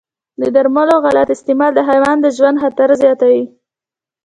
د درملو غلط استعمال د حیوان د ژوند خطر زیاتوي.